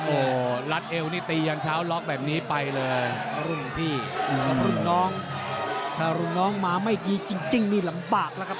โอ้โหรัดเอวนี่ตียันเช้าล็อกแบบนี้ไปเลยรุ่นพี่กับรุ่นน้องถ้ารุ่นน้องมาไม่ดีจริงนี่ลำบากแล้วครับ